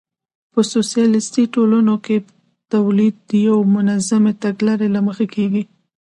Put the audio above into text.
په سوسیالیستي ټولنو کې تولید د یوې منظمې تګلارې له مخې کېږي